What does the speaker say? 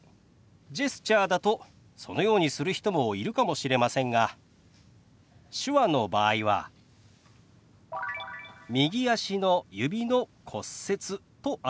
ジェスチャーだとそのようにする人もいるかもしれませんが手話の場合は「右足の指の骨折」と表します。